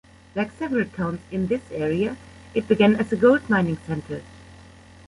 Like several towns in this area, it began as a gold mining centre.